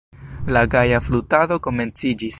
La gaja flutado komenciĝis.